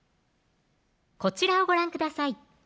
こちらをご覧ください